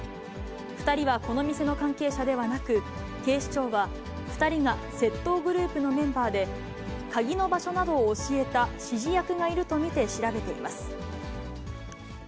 ２人はこの店の関係者ではなく、警視庁は２人が窃盗グループのメンバーで、鍵の場所などを教えた指示役がいると見て調べています。